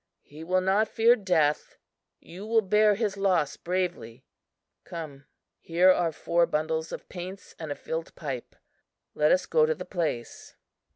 He will not fear death; you will bear his loss bravely. Come here are four bundles of paints and a filled pipe let us go to the place."